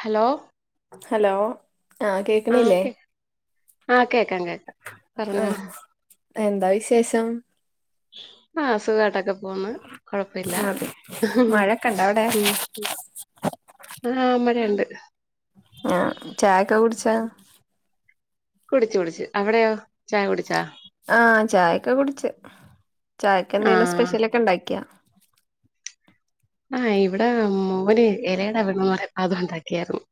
Hello hello ആ കേക്കണില്ലേ ആ കേക്കാം കേക്കാം ആ പറഞ്ഞോ എന്താ വിശേഷം ആ സുഖാട്ടൊക്കെ പോന്ന് കൊഴപ്പവില്ല ഉം ആ മഴയുണ്ട് ആ ഛായക്കെ കുടിച്ചാ? കുടിച്ചു കുടിച്ചു അവിടെയോ ഛായ കുടിച്ചാ? ഛാ ഛായൊക്കെ കുടിച്ച് ആ ഛായക്കെന്തേലും സ്പെഷ്യലൊക്കെ ഇണ്ടാക്കിയാ? ആ ഇവിടെ മോന് എലയുടെ വീടന്ന് അതൊണ്ടാക്കിയാരുന്നു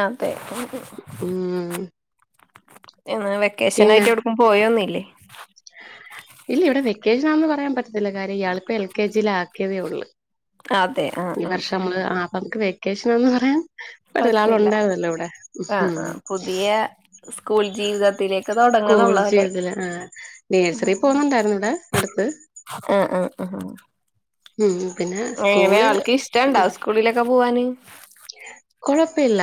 അതെ ഉം എന്നാ വെക്കേഷൻ പിന്നെ ആയിട്ട് എവിടക്കും പോയൊന്നുല്ലേ ഇല്ല ഇവിടെ വെക്കേഷനാണെന്ന് പറയാൻ പറ്റത്തില്ല കാര്യം ഇയാളിപ്പോ എൽ കെ ജിയിലാക്കിയതേ ഉള്ളൂ അതെ ആ ആ പക്ഷ നമ്മള് ആ നമുക്ക് വെക്കേഷനെന്ന് പറയാൻ പെരേൽ പറ്റൂല ആളൊണ്ടാവൂ അല്ലോ ഇവിടെ ആഹ് ഹും ആഹ് പുതിയ സ്കൂൾ ജീവിതത്തിലേക്ക് തുടങ്ങണള്ളൂ അല്ലേ കോളജ്തില് ആഹ് ആഹ് നേഴ്സറി പോുന്നുണ്ടായിരുന്നു ഇട അടുത്ത് ആഹ് ഹെ ആഹാ ഉും പിന്നെ എങ്ങനെ സ്കൂളിൽ ആൾക്ക് ഇഷ്ടുണ്ടാ? സ്കൂളിലൊക്കെ പോവാന്. കൊഴപ്പില്ല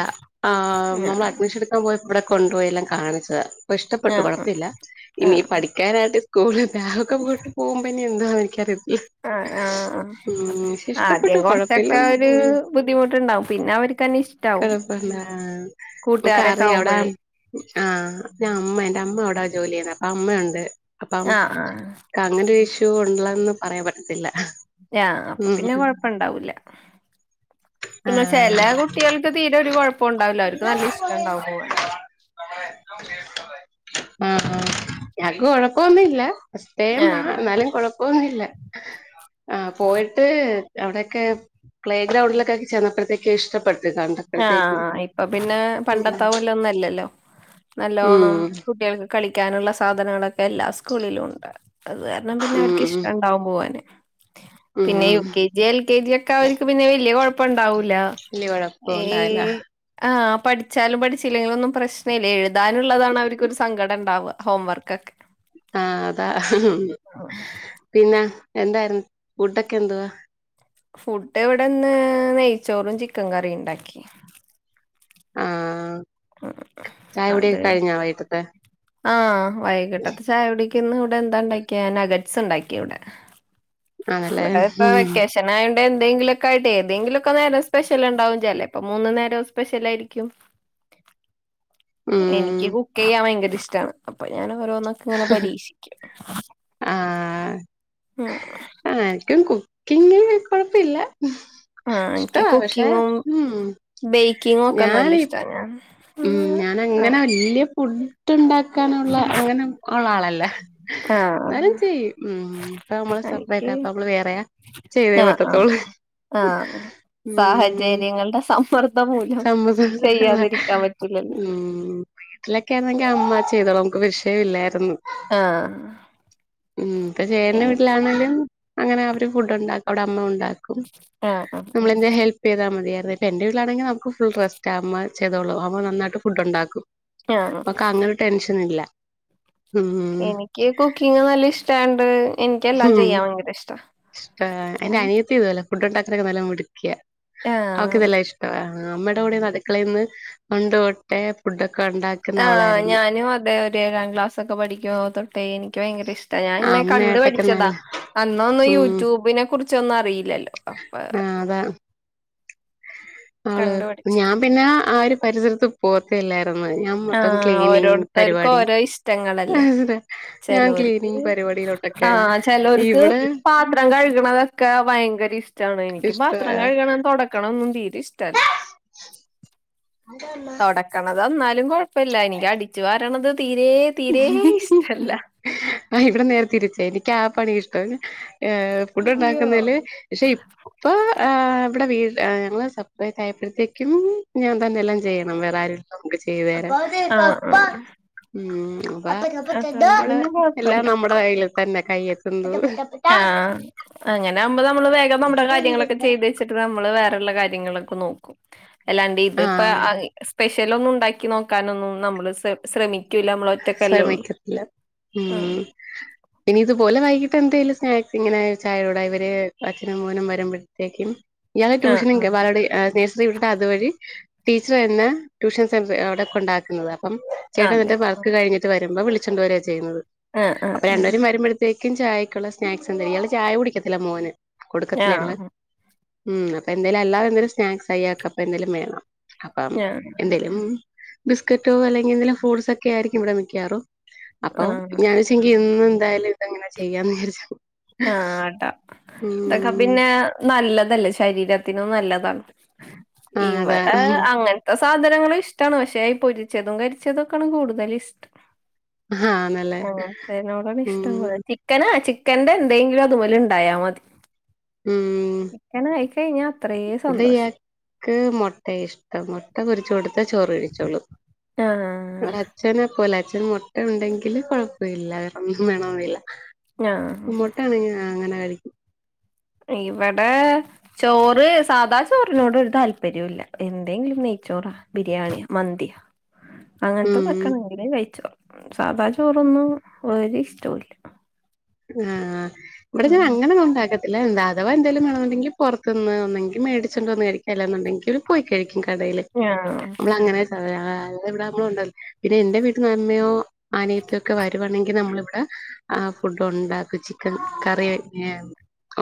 ആഹ് നമ്മള് അഡ്മിഷൻ ഇടുക്കാൻ പോയപ്പോ ഇവിടെ കൊണ്ടുപോയി എല്ലാം കാണിച്ചത ഇപ്പ ഇഷ്ടപ്പെട്ടു ആഹ് കുഴപ്പമില്ല ആഹ് ഇനി ആഹ് പഠിക്കാനായിട്ട് സ്കൂള് ബാഗൊക്കെ കൊണ്ട് പോകുമ്പോന്നി എന്താ എനിക്കറിയത്തില്ല ആഹ് ആഹ് ഉം പക്ഷെ ഇഷ്ടപ്പെട്ടു ആദ്യം കുറച്ചൊക്കെ കൊഴപ്പയില്ലന്ന് ഒരു ബുദ്ധിമുട്ടുണ്ടാവും പിന്നെ അവർക്ക്ന്നെ ഇഷ്ടാവും കൊഴപ്പല്ല നമുക്ക് കൂട്ടുകാരൊക്കെ അറിയാം അവിടെ ആകുമ്പോഴേ ആഹ് ഞാ അമ്മഉണ്ട്. എന്റെ അമ്മ എവിടാ ജോലി ചെയ്യുന്നത്. അപ്പൊ അമ്മയുണ്ട്. അപ്പഅമ് ആഹ് ആഹ് ക്ക് അങ്ങനെ ഒരു ഇഷ്യൂ ഉള്ളന്ന് പറയാൻ പറ്റത്തില്ല. യ്യാ അപ്പൊ ഉം പിന്നെ കൊഴപ്പണ്ടാവൂല പിന്നെ ആഹ് ചിലെ കുട്ടികൾക്ക് തീരെ ഒരു കുഴപ്പം ഉണ്ടാവുല്ല. ഓർക്ക് നല്ല ഇഷ്ടണ്ടാവും പോകവാൻ. ആഹ് ഞാക്ക് കൊഴപ്പം ഒന്നുംഇല്ല ഫസ്റ്റ് ടൈമ്മ ആഹ് എന്നാലുംകോഴ പോന്നില്ല ആഹ് പോയിട്ട് അവിടെക്കെ പ്ലേ ഗ്രൗണ്ടിലേക്കെ ചെന്നപ്പോഴത്തേക്ക ഇഷ്ടപ്പെട്ടു ആഹ് ഇപ്പൊ പിന്നെ പണ്ടത്താപോല്ല ഒന്നുംല്ലല്ലോ നല്ലോണ്ണം ഉം കുട്ടികൾക്ക് കളിക്കാനുള്ള സാധനങ്ങളൊക്കെ എല്ലാ സ്കൂളിലും ഉണ്ട്. അത് കാരണം പിന്നെ ഉം ഉം അവർക്ക്ിഷ്ടാണ്. ഉണ്ടാവും ഓന് പിന്നെ ഉം U K G L K G ഒക്കെ അവർക്ക് പിന്നെ വലിയ കുഴപ്പം ഇണ്ടാവൂല. വല്ല്യകൊഴപ്പം ഏയ് ആഹ് പഠിച്ചാലും പഠിച്ചില്ലെങ്കിലും ഒന്നും പ്രശ്നമല്ല. എഴുതാനുള്ളതാണ് അവർക്ക് ഒരു സങ്കടംണ്ടാവ ഹോംവർക്ക് കക്ക് ആഹ് അതാ പിന്നെ എന്തായിരുന്നു ഫുഡൊക്കെ എന്തുവാ? ഫുഡ് ഇവിടെ ഇന്ന് നെയ്ച്ചോറും ചിക്കൻ കറിം ഉണ്ടാക്കി ആഹ് ചായ കുടിയൊക്കെ അതെ കഴിഞ്ഞാ വൈകിട്ടത്തെ ആഹ് വൈകിട്ടത്ത ചായ കുടി ഇന്ന് ഇവിടെന്താണ്ടാക്കിയ നഗട്സ് ഉണ്ടാക്കി ഇവിടെ. ആണല്ലേ ഇവിടെഇപ്പൊ ഉം വെക്കേഷൻ വെക്കേഷനയൊണ്ടെ എന്തെങ്കിലൊക്കൊയിട്ട് ഏതെങ്കിലൊക്കെ നേരം സ്പെഷ്യൽ ഉണ്ടാവും. ചെലെപ്പോ മൂന്ന് നേരം സ്പെഷ്യ ആയിരിക്കും. ഉം എനിക്ക് കുക്ക് ചെയ്യാൻ ഭയങ്കര ഇഷ്ടമാണ്. അപ്പൊ ഞാൻ ഓരോന്നൊക്ക ഇങ്ങനെ പരീക്ഷിക്കും. ആഹ് ഉം ഇനിക്കും കുക്കിങ്ങിൽ കുഴപ്പമില്ല ആഹ് ഇൻക്ക് കുക്കിങ്ങും ബേക്കിങ്ങും ഒക്കെ നല്ല ഞാനീ ഇഷ്ടന്നെണ്. ഉം ഞാനഅങ്ങനെ വല്ല്യയ ഫുഡ് ഫുഡ്ണ്ടാക്കാനുള്ള അങ്ങനെ ഉള്ള ആളല്ല എന്നാലും ചെയും. ഉും ഇപ്പ നമ്മള് എനിക്ക് സെപ്പറേറ്റ് അപ്പ നമ്മള് വേറെയ ചെയ്തേ ആഹ് ആഹ് പറ്റത്തോളൂ. ആഹ് ഉം സാഹചര്യം ങ്ങളുടെ സമ്മർദ്ദം മൂലം [unintelligible] ചെയ്യാതിരിക്കാൻ പറ്റില്ലല്ലോ വീട്ടിലൊക്കെ ആണേങ്കിൽ അമ്മ ചെയ്തോളും നമുക്ക് വിഷയം ഇല്ലായിരുന്നു ആഹ് ഉും ഇപ്പൊ ചേട്ടന്റെ വീട്ടിലാണെലും അങ്ങനെ അവര് ഫുഡ് ഉണ്ടാക്കും അവിടെ അമ്മ ഉണ്ടാക്കും ആഹ് ആഹ് നമ്മള് എന്തെലും ഹെൽപ്പ് പ്താ മതിയായിരുന്നു ഇപ്പ എൻ്റെ വീട്ടിലണെങ്കിൽ നമുക് ഫുൾ റസ്റ്റ് ആ അമ്മ ചെയ്തോളൂ അമ്മ നാന്നായിട്ട് ഫുഡ് ഉണ്ടാക്കും. ആഹ് മ്മക്ക അങ്ങനെ ടെന്ഷനില്ല എനിക്ക് കുക്കിങ് നല്ല ഇഷ്ടായോണ്ട് എനിക്ക് എല്ലാം ചെയ്യാൻ ഭയങ്കര ഇഷ്ട ആഹ് എന്റെ അനിയത്തി ഇത് പോല ഫുഡ് ഉണ്ടാക്കനൊക്കെ നല്ല മിടിക്കിയ അവക്ക് ആഹ് ഇതല്ലാം ഇഷ് ടവ അമ്മയുടെ കൂടെ അടുക്കളയിൽന്ന് പണ്ട്തൊട്ടെ ഫുഡൊക്കെ ഉണ്ടാക്കുന്ന ആഹ് അവളായിരുന്നു ഞാനും അതെ ഏഴാം ക്ലാസ് ഒക്കെ പഠികുമ്പോ തൊട് തേ എനിക്ക് ഭയങ്കര ഇഷ്ടാ ഞാൻ ഇങ്ങനെ അമ്മയായിട്ടൊക്കെ കണ്ടുപഠിച്ചതാ നല്ല അന്ന് ഒന്നും യൂട്യൂബിനെ കുറിച് ച്ചൊന്നും അറിയില്ലല്ലോ അപ്പൊ ആഹ് അതാ ആള് കണ്ട് ഞാൻ പഠിച്ചതാ പിന്നെ ആ ഒരു പരിസരത്ത് പോത്തില്ലായിരുന്നു ഞാൻ മൊത്തം ആഹ് ക്ലീനിങ് ഓരോരുത്തർക്കും പരിപാടി ഓരോ ഇഷ്ടങ്ങളല്ലേ ഞാൻ ചെലോർക്ക് ക്ലീനിങ് പരിപാടിയിലോട്ടൊക്കെയങ്ങ് ഇവിടെ ഇവടെ കഴുകണതൊക്കെ ഭയങ്കര ഇഷ്ടമാണ് എനിക്ക് പാത്രം ഇഷ്ടവാ കഴുകണം തുടക്കണ ഒന്നും തീരെ ഇഷ്ടല്ല [inaudible] [unintelligible] തുടക്കണത് എന്നാലും കൊഴപ്പില്ല എനിക്ക് അടിച്ചു വാരണത് തീരേ ആഹ് ഇവിടെ നേരെ തിരിച്ച എനിക്ക് ആ പണിയ ഇഷ്ടം ആഹ് ഫുഡ് അയ്യോ ഉണ്ടാക്കുന്നതില് പക്ഷെ ഇപ്പൊ ആഹ് ആ ഇവിടെ വീട് ഞങ്ങള് സപ്രേറ്റ് ആയപ്പോഴത്തേക്കും ഞാൻ തന്നെല്ലാം ചെയ്യണം വേറെ ആരും ഇല്ല നമുക്ക് ചെയ്തു തരാൻ ആഹ് ആഹ് ഉം അതാ അതോണ്ട് അടെ പിന്നെ എല്ലാം കൊഴപ്പല്ല നമ്മുടെ കയ്യിൽ തന്നെ കയ്യെത്തും ദൂര ആഹ് അങ്ങനാകുമ്പോ നമ്മള് വേഗം നമ്മുടെ കാര്യങ്ങളൊക്കെ ചെയ്ത് വെച്ച് ട്ട് നമ്മള് വേറുള്ള കാര്യങ്ങളൊക്കെ നോക്കും അല്ലാണ്ട് ഇത്പ്പ ആഹ് സ്പെഷ്യല് ഒന്നും ഉണ്ടാക്കി നോക്കാനൊന്നും നമ്മള് ശ്രമിക്കൂല്ല നമ്മള് ഒറ്റക്കല്ലേ ഉള്ളൂ ശ്രമിക്കത്തില്ല ഉം [inaudible] പിന്ന ഇതുപോലെ വൈകിട്ട് എന്തേലും സ്നാക്സ് ഇങ്ങനെ ചായേട കൂട ഇവര് അച്ഛനും മോനും വരുമ്പോഴത്തേക്കും ഇയാളെ ആഹ് ട്യൂഷനും കെ ബാലവാടി [unintelligible] ഉണ്ട് അതുവഴി ടീച്ചർ തന്ന ട്യൂഷൻ സെന്ററി അവിടെ ക്കൊണ്ടാക്കുന്നത അപ്പം ആഹ് ചേട്ടൻ അതെ എന്നിട്ട് വർക്ക് കഴിഞ്ഞിട്ട് വരുമ്പം വിളിച്ചോണ്ട് വരികയാ ചെയ്യുന്നത് ആഹ് ആഹ് അപ്പൊ ആഹ് രണ്ടേരും വരുമ്പഴ് ത്തേക്കും ചായക്കുള്ള സ്നാക്സ് എന്തെലും ഇയാള് ചായ കുടിക്കത്തില്ല മോന് കൊടുക്കത്തില്ല ഞങ്ങള് ഉം അപ്പൊ എന്തേലും അല്ലാതെ എന്തേലും സ്നാക്സ് അയാക്കപ്പ എന്തേലും വേണം അപ്പം ആഹ് ആഹ് എന്തേലും ബിസ്ക്കറ്റോ അല്ലങ്കി എന്തെലും ഫ്രൂട്ട്സ് ഒക്കെ ആയിരിക്കും ഇവിടെ മിക്കവാറും അപ്പൊ ആഹ് ഞാൻ ങ്കി ഇന്ന് എന്തായാലും ഇതെങ്ങനെ ചെയ്യാന്ന് വിചരിച്ചു ആഹ് ആട്ട അതൊക്കെ പിന്നെ നല്ലതല്ലേ ശരീരത്തിനും നല്ലതാണ് ആഹ് അതാ ഇവിടെ അങ്ങന ത്ത സാധനങ്ങളും ഇഷ്ടമാണ് പക്ഷേ ഈ പൊരിച്ചതും കരിച്ചതും ഒക്കെയാണ് കൂടുതൽ ഇഷ്ടം ആന്നല്ലേ അങ്ങനെത്തേനോടാണ് ഇഷ്ടം ഉം [unintelligible] ചിക്കന്റ ചിക്കന്റെ എന്തെങ്കിലും അതുപോലെ ഉണ്ടായാൽ മതി ഉം ചിക്കൻ കഴിച്ച് കഴിഞ്ഞ ഇവിട ഇയാക്ക് മുട്ടയ ഇഷ്ടം മുട്ട പൊരിച്ച് കൊടുത്ത ചോറ് കഴിച്ചോളും ആഹ് ഇവടെ അച്ഛനെ പോല അച്ഛന് മുട്ട ഉണ്ടെങ്കില് കൊഴപ്പമില്ല വേറൊന്നും വേണമെന്നില്ല ആഹ് മുട്ടാ ആണെങ്കി അങ്ങനെ കഴിക്കും ഇവിടെ ചോറ് സാധാ ചോറിനോട് ഒരു താല്പര്യം ഇല്ല എന്തെങ്കിലും നെയ്ച്ചോറാ ബിരിയാണി മന്തി അങ്ങനത്തെ ഉം തെക്കണേ നെയ്ച്ചോറ് സാധാ ചോറൊന്നും വേരെ ഇഷ്ടല്ല ആഹ് ഇവിടെ ഞാൻ ആഹ് അങ്ങനെന്ന ഉണ്ടാക്ക ഇല്ല എന്താ അവാ എന്തായാല വേമുണ്ടെങ്കിൽ പുറത്ത്ന്ന്ന്നെങ്ക മേടിച്ചച്ച്ണ്ട്ന്നതരിക്കാ അല്ല എന്നുണ്ടെങ്കിൽ [unintelligible] പോയി കഴിക്കും കടയില് ആഹ് നമ്മളങ്ങനെ അ ഇവിടെ നമ്മള ഉണ്ടല്ലോ പിന്നെ എന്റെ വീട്ട അമ്മയോ ആനയത്തോ ഒക്കെ വരുവാണെങ്കിൽ നമ്മളിവിടെ ആഹ് ഫുഡ് ഉണ്ടാക്കും ചിക്കൻ കറി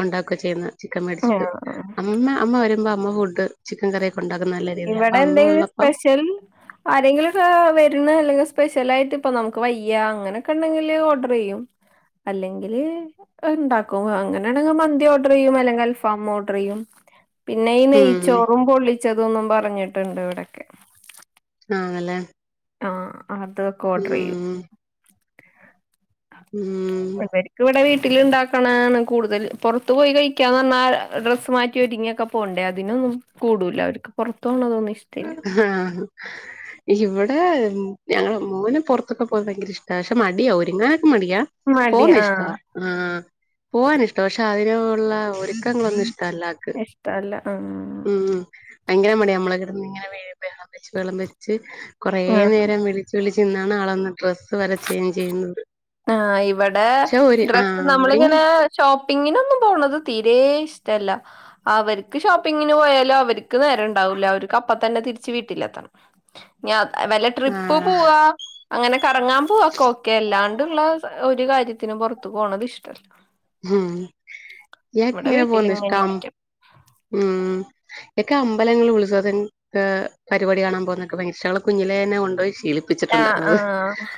ഉണ്ടാക്കുക ചെയ്യുന്ന ചിക്കൻ മേടിച്ചിട്ട് ആഹ് അമ്മ അമ്മ വരുമ്പോ അമ്മ ഫുഡ് ചിക്കൻ കറി ഉണ്ടാക്കുന്ന നല്ല രീതിയില അപ്പൊ അമ്മ ഉള്ളപ്പം ആരെങ്കിലും ഒക്കെ വരുന്ന അല്ലെങ്കിൽ സ്പെഷ്യൽ ആയിട്ട് ഇപ്പ നമുക്ക് വയ്യ അങ്ങനെയൊക്കെ ഉണ്ടെങ്കില് ഓർഡർ ചെയ്യും അല്ലെങ്കില് ഉണ്ടാക്കും അങ്ങനെയാണെങ്കിൽ മന്തി ഓർഡർ ചെയ്യും അല്ലെങ്കിൽ അൽഫാാം ഓർഡർ ചെയ്യും പിന്നെ ഈ ഉം നെയ്ച്ചോറും പൊള്ളിച്ചതൊന്നും പറഞ്ഞിട്ടുണ്ട് ഇവിടൊക്കെ ആണല്ലെ ആ അതൊക്കെ ഓർഡർ ചെയ്യും ഉം ഇവർക്കുംഇവിടെ വീട്ടിൽ ഉണ്ടാകുന്ന കൂടുതൽ പുറത്തു പോയി കഴിക്കാന്ന് പറഞ്ഞാ ഡ്രസ്സ് മാറ്റി വരിങ്ങൊക്കെ പോകണ്ടേ അതിനൊന്നും കൂടൂല അവർക്ക് പുറത്തോണതൊന്ന ഇഷ്ടം ആഹ് ഇവിടെ ഞങ്ങള മോനെ പുറത്തൊക്കെ പോയൻ ഭയങ്കര ഇഷ്ട പക്ഷെ മടിയാ ഒരുരിങ്ങനൊക്കെ മടിയാ മടി പോന്ന ആഹ് ഇഷ്ടവ ആഹ് പോവൻ ഇഷ്ട പക്ഷെ അതിനുള്ള ഒരുക്കങ്ങളൊന്നും ഇഷ്ടമല്ല [unintelligible] ഇഷ്ടല്ല ആഹ് ഉം ഭയങ്കര മടി ആ നമ്മള കിടന്ന് ഇങ്ങനെ വെം വെച്ച് വെളം വെച്ച് കുറേ ആഹ് നേരം വിളി ചളിച്ചിന്നാണ് ആളൊന്ന ഡ്രസ്സ് വരെ ചേഞ്ച് ചെയ്യുന്നത് അഹ് ഇവിടെ പക്ഷെ ഒരു ഡ്രസ്സ് ആഹ് ഒരുങ്ങി നമ്മളിങ്ങനെ ഷോപ്പിങ്ങിനൊന്നും പോണത് തീരെേ ഇഷ്ടല്ല അവർക്ക് ഷോപ്പിങ്ങിന് പോയാലും അവർക്ക് നേരം ഉണ്ടാവൂല്ല അവർക്ക് അപ്പ തന്നെ തിരിച്ച് വീട്ടിലെത്തണം ഞാ വല്ല ട്രിപ്പ് ആഹ് പോവാ അങ്ങനെ കറങ്ങാൻ പോവാക്ക ഓക്കെ അല്ലാണ്ടുള്ള സ ഒരു കാര്യത്തിനന് പുറത്തു പോണത് ഇഷ്ടല്ല ഉം ഇയാക്ക് ഇവിടെ ങ്ങനെ പോന്ന് വീട്ടിലിങ്ങനെ ഇഷ്ടാം ഇരിക്കും ഉം എനിക്ക് അമ്പലങ്ങൾ ഉത്സവം പരിപാടി കാണാൻ പോകുന്നൊക്കെ ഭഭയങ്കരഇഷ്ടം കുഞ്ഞിലെ തന്നെ കൊണ്ടോയി ശീലിക് ആഹ് [unintelligible] ആഹ്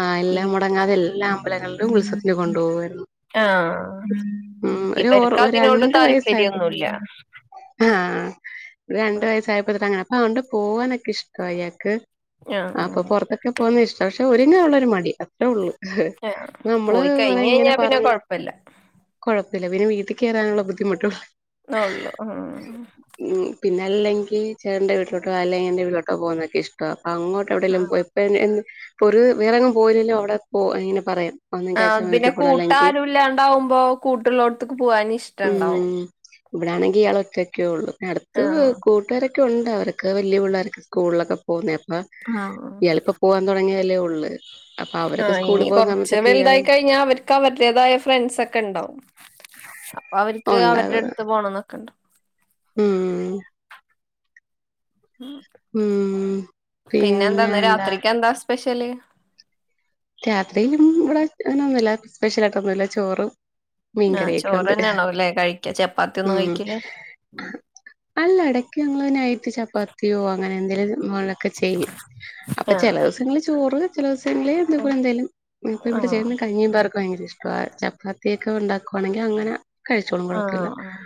ആഹ് ഈ എല്ലാം മുടങ്ങാതെ എല്ലാ അമ്പലങ്ങളുടെയും ഉത്സവത്തിന കൊണ്ടുപോകുമായിായിരുന്നു ആഹ് ഓർ ഇവർക്ക് ഒരു അതിനോട് രണ്ട് വയസ്സായപ്പോ താല്പര്യൊന്നുമല്ല ആഹ് രണ്ട വയസ്സായപ്പോതിട്ട അങ്ങനെ അപ്പൊ അതുകൊണ്ട് പോകാനൊക്കെ ഇഷ്ടം അയാക്ക് ആഹ് അപ്പൊ പുറത്തൊക്കെ പോകുന്നത് ഇഷ്ടം പക്ഷെ ഒരുങ്ങാൻ ഉള്ളരു മടി അത്രേ ഉള്ളൂ ആഹ് നമ്മള് പോയി കഴിഞ്ഞ് കഴിഞ്ഞാ ഇങ്ങനെ പിന്നെ പറഞ്ഞു കൊഴപ്പല്ലന്നൊള്ളു കുഴപ്പമില്ല പിന്നെ വീട്ടിൽ കയറാനുള്ള ബുദ്ധിമുട്ടുള്ളൂ ഉള്ളൂ ഉം ഉം പിന്ന അല്ലെങ്കിൽ ചേട്ടാന്റെ വീട്ടിലോട്ടോ അല്ലങ്ക എന്റെ വീട്ടിലോട്ടോ പോകുന്നൊക്കെ ഇഷ്ട അപ്പൊ അങ്ങോട്ട് എവിടെും ആഹ് ഇപ്പ ഇപ്പൊ ഒരു വേറെങ്ങും പോയില്ലല്ലോ അവിടെ പോ ഇങ്ങനെ പറയാം ഒന്നെങ്കിൽ ആഹ് അച്ഛൻ പിന്നെ വീട്ടിൽ പോണം അല്ലെങ്കിൽ കൂട്ടാരും ഇല്ലാണ്ടാവുമ്പോ കൂട്ടുള്ളോടത്തേക്ക് പോകാന ഇഷ്ടംണ്ടാവും ഇവിടാണെങ്കിൽ ഇയാള ഒറ്റൊക്കെ ഉള്ളൂ അടുത്ത് ആഹ് കൂട്ടുകാരൊക്കെ ഉണ്ട് അവർക്ക് വലിയ പിള്ളേർ ഒക്കെ സ്കൂളിലൊക്കെ പോകുന്ന അപ്പം ഉം ഇയാൾ ഇപ്പോ പോവാൻ തുടങ്ങിയതെല്ലേ ഉള്ളൂ അപ്പൊ അവരൊക്കെ ആഹ് ഇനി സ്കൂളിൽ പോകുന്ന കുറച്ച് സമയത്തൊക്കെ വലുതായി ഇയാള് കഴിഞ്ഞാ അവര് അവർക്ക് അവരുടേതായ ഫ്രണ്ട്സ ഒക്കെ ഉണ്ടാവും അപ്പൊ അവർക്ക് അവരുടെ ഉണ്ടാകും അടുത്ത് പോണംന്നൊക്കെണ്ട് ഉം ഉം ഉം പിന്നെ എന്താ ഇന്ന് രാത്രിക്ക് എന്താ സ്പെഷ്യല് രാത്രിയും ഇവിടെ അങ്ങനെ ഒന്നുമല്ല സ്പെഷ്യല ആയിട്ടൊന്നും ഇല്ല ചോറും ആഹ് മീൻകറിയൊക്കെ ഉണ്ട് ചോറന്നെയാണോല്ലേ കഴിക്ക ചപ്പാത്തി ഒന്നും ഉം കഴിക്കില്ല അല്ല ഇടക്ക് ഞങ്ങൾ നയ്റ്റ് ചപ്പാത്തിയോ അങ്ങനെ എന്തെേലും ഒക്കെ ചെയ്യും അപ്പൊ ആഹ് ചില ദിവസങ്ങള് ചോറ് ചില ദിവസങ്ങളിൽ അതുപോലെന്തായാലും ഇപ്പ ഇവിടെ ആഹ് ചേട്ടന്ന് കഞ്ഞി പയർ ഭയങ്കര ഇഷ്ട ചപ്പാത്തിയൊക്കെ ഉണ്ടാക്കുവാണെങ്കിൽ അങ്ങനെ കഴിച്ചോളും ആഹ് കുഴപ്പമില്ല ആഹ്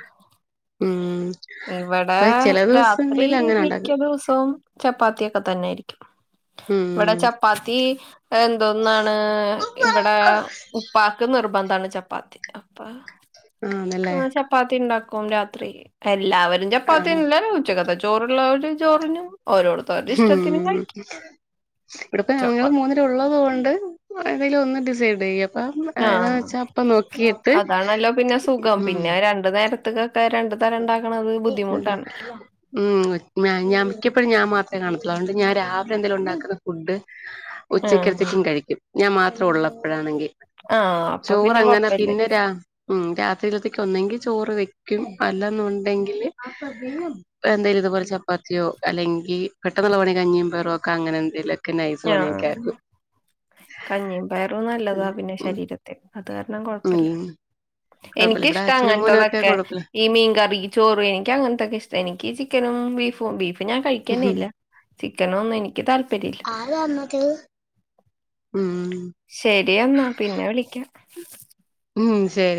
ഉം ഇവിടെ അപ്പൊ ചില രാത്രി ദിവസങ്ങളിൽ അങ്ങനെ ഉണ്ടാക്കും മിക്ക ദിവസവും ചപ്പാത്തി ഒക്കെ തന്നെയായിരിക്കും ഇവിടെ ഉം ചപ്പാത്തി എന്തോന്നാണ് ഇവിടെ ഉപ്പാക്ക് നിർബന്ധമാണ് ചപ്പാത്തി അപ്പൊ ആന്ന്ല്ലേ ചപ്പാത്തി ഉണ്ടാക്കും രാത്രി എല്ലാവരും ആഹ് ചപ്പാത്തില്ല ഉച്ചകത്തെ ചോ ചോറ് ഉള്ളത് ചോറിനും ഓരോട ഉം ഇവിടെപ്പം ഞങ്ങള് ചപ്പാത്തി മൂന്ന് പേര് ഉള്ളതുകൊണ്ട് ഏതെങ്കിലും ഒന്ന് ഡിസൈൻ ചെയ്യും അപ്പം ആഹ് ഏതാന്ന് വച്ചാ അപ്പം നോക്കിയിട്ട് ഉം നേരത്ത്ക്കൊക്കെ രണ്ടു തരം ഉണ്ടാക്കണത് അതെ ബുദ്ധിമുട്ടാണല്ലോ ഉം ഞാൻ മിക്കപ്പോഴും ഞാൻ മാത്രമേ കാണത്തുള്ളൂ അത് കൊണ്ട് ഞാൻ രാവിലെ എന്തേലും ഉണ്ടാക്കുന്ന ഫുഡ് ആഹ് ഉച്ചകത്തേക്കും കഴിക്കും ഞാൻ മാത്രം ഉള്ളപ്പോഴാണെങ്കിൽ ആഹ് അപ്പൊ ചോറ് പിന്നെ അങ്ങനെ കൊഴപ്പില്ല പിന്നെ രാ ഉം രാത്രിയിലത്തേക്ക് ഒന്നെങ്കിൽ ചോറ് വെക്കും അല്ലന്നുണ്ടെങ്കില് എന്തേലും ഇതുപോലെ ചപ്പാത്തിയോ അല്ലെങ്കിൽ പെട്ടെന്നുള്ള പെട്ടെന്ന് കഞ്ഞിയും പയറും ഒക്കെ അങ്ങനെ എന്തെങ്കിലും ആ കഞ്ഞിയും പയറും നല്ലതാ പിന്നെ ശരീരത്തി അത് കാരണം ഉം കൊഴപ്പല്ല കുഴപ്പമില്ല ഇവിടെ എനിക്കിഷ്ട്ട അച്ഛനും മോനും ഒക്കെ അങ്ങൻത്തതൊക്കെ കുഴപ്പമില്ല ഈ മീൻ കറി ചോറ് എനിക്ക് അങ്ങനത്തൊക്കെ ഇഷ്ടം എനിക്ക് ചിക്കനും ബീഫും ബീഫ് ഇപ്പ ഞാൻ കഴിക്കന്നേ ഇല്ല ചിക്കനൊന്നും എനിക്ക് താല്പര്യം ഇല്ല [unintelligible] ഉം ശരി എന്നാ പിന്നെ വിളിക്കാം ഉം ശരി